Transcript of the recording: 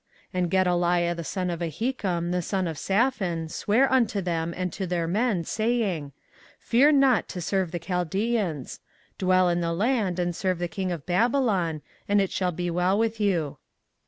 24:040:009 And Gedaliah the son of Ahikam the son of Shaphan sware unto them and to their men, saying, Fear not to serve the Chaldeans: dwell in the land, and serve the king of Babylon, and it shall be well with you.